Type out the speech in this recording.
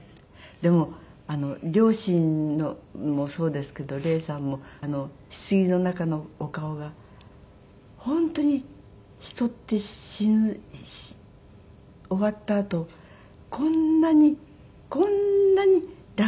でも両親もそうですけど礼さんもひつぎの中のお顔が本当に人って死ぬ終わったあとこんなにこんなに楽な。